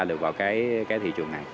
được vào thị trường này